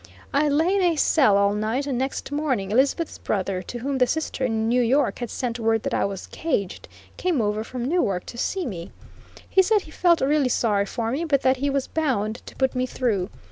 I lay in a cell all night, and next morning Elizabeth's brother, to whom the sister in New York had sent word that I was caged, came over from Newark to see me. He said he felt sorry for me, but that he was "bound to put me through."